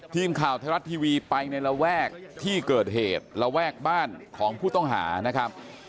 ทีมข่าวไทยรัฐทีวีไปในระแวกที่เกิดเหตุระแวกบ้านของผู้ต้องหานะครับ